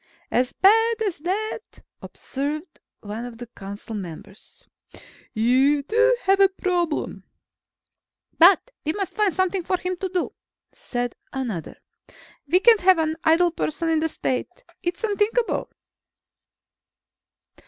"As bad as that?" observed one of the council members. "You do have a problem." "But we must find something for him to do," said another. "We can't have an idle person in the State. It's unthinkable."